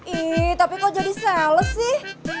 ih tapi kok jadi sales sih